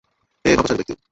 হে পাপাচারী ব্যক্তি!